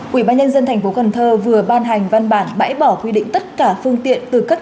quỹ ban nhân dân thành phố cần thơ vừa ban hành văn bản bãi bỏ quy định tất cả phương tiện từ các